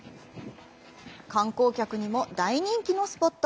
観光客にも大人気のスポット。